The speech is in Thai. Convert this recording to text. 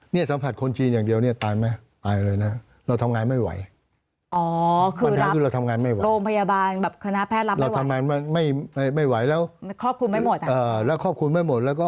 เนี่ยสัมผัสคนจีนอย่างเดียวตายไม่ไปเลยนะ